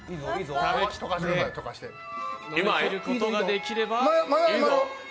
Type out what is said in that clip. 食べきることができれば。